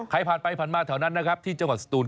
ใครผ่านไปผ่านมาแถวนั้นนะครับที่จังหวัดสตูน